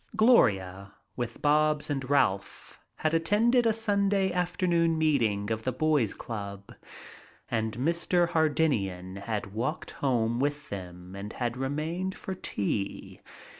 Gloria, with Bobs and Ralph, had attended a Sunday afternoon meeting of the Boy's Club and Mr. Hardinian had walked home with them and had remained for tea.